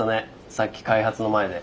さっき開発の前で。